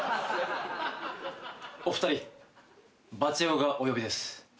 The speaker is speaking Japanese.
お二人バチェ男がお呼びです。